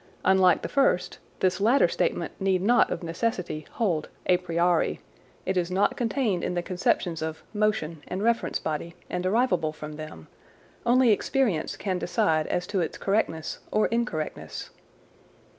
Unlike the first, this latter statement need not of necessity hold a priori; it is not contained in the conceptions of " motion" and " reference body " and derivable from them; only experience can decide as to its correctness or incorrectness.